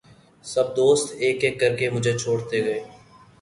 سب دوست ایک ایک کرکے مُجھے چھوڑتے گئے